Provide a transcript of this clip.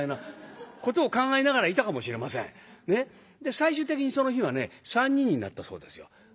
最終的にその日はね３人になったそうですよ。